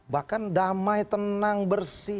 bahkan damai tenang bersih